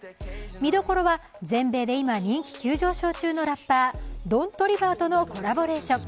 見どころは、全米で今、人気急上昇のラッパー、ドン・トリバーとのコラボレーション。